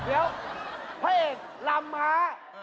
แล้วไหนมา